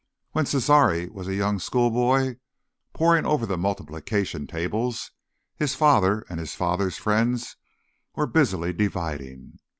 When Cesare was a young schoolboy, poring over the multiplication tables, his father and his father's friends were busy dividing.